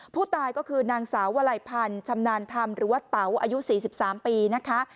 ผู้ตายก็คือนางสาววลัยพันธ์ชำนาญธรรมหรือว่าเต๋าอายุ๔๓ปีนะคะ